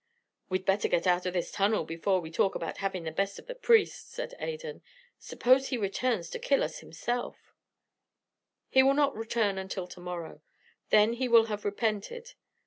"We'd better get out of this tunnel before we talk about having the best of the priest," said Adan. "Suppose he returns to kill us himself " "He will not return until to morrow. Then he will have repented.